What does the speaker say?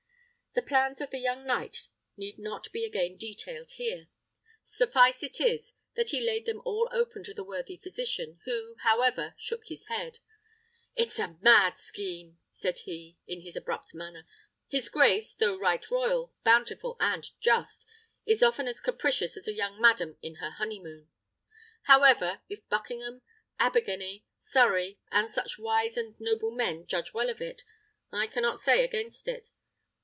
The plans of the young knight need not be again detailed here. Suffice it that he laid them all open to the worthy physician, who, however, shook his head. "It's a mad scheme!" said he, in his abrupt manner. "His grace, though right royal, bountiful, and just, is often as capricious as a young madam in the honeymoon. However, if Buckingham, Abergany, Surrey, and such wise and noble men judge well of it, I cannot say against it.